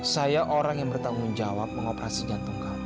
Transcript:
saya orang yang bertanggung jawab mengoperasi jantung kami